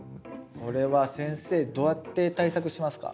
これは先生どうやって対策しますか？